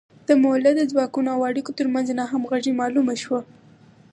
د مؤلده ځواکونو او اړیکو ترمنځ ناهمغږي معلومه شوه.